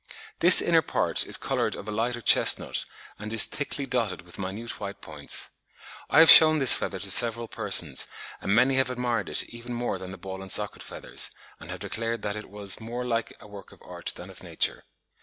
This inner part is coloured of a lighter chestnut, and is thickly dotted with minute white points. I have shewn this feather to several persons, and many have admired it even more than the ball and socket feathers, and have declared that it was more like a work of art than of nature.